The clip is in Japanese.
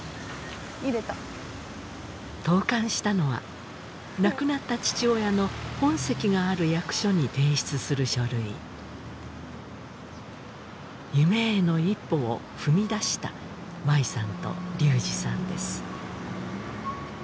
入れた投函したのは亡くなった父親の本籍がある役所に提出する書類夢への一歩を踏み出した舞さんと龍志さんです